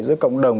giữa cộng đồng